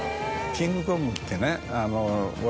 キングコングってね。